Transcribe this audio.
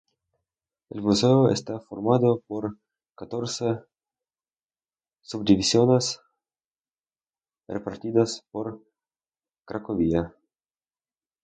El museo está formado por catorce subdivisiones repartidas por Cracovia.